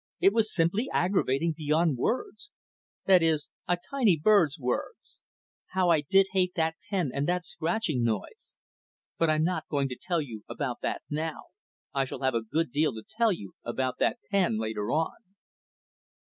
It was simply aggravating beyond words that is, a tiny bird's words. How I did hate that pen and that scratching noise! But I'm not going to tell you about that now. I shall have a good deal to tell you about that pen later on.